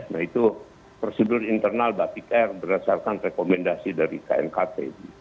nah itu prosedur internal batik air berdasarkan rekomendasi dari knkt